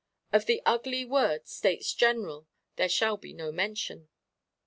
Of the ugly word States General there shall be no mention.